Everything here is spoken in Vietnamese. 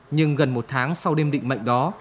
nhưng gần một tháng sau đêm định mệnh đó